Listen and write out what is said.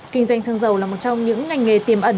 kinh doanh xăng dầu là một trong những ngành nghề tiềm ẩn